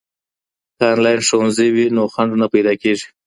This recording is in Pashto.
که انلاین ښوونځی وي نو خنډ نه پیدا کیږي.